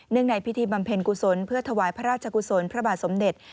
ในพิธีบำเพ็ญกุศลเพื่อถวายพระราชกุศลพระบาทสมเด็จ